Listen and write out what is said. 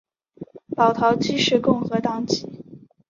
保陶基是共和党籍。